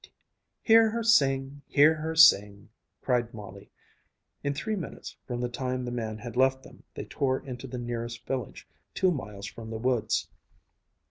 "Hear her sing! Hear her sing!" cried Molly. In three minutes from the time the man had left them, they tore into the nearest village, two miles from the woods.